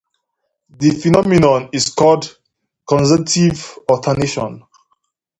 This phenomenon is called causative alternation.